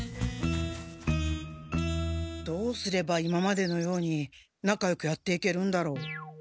どうすれば今までのように仲よくやっていけるんだろう？